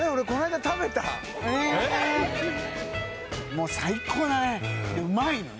もう最高だねでうまいのよ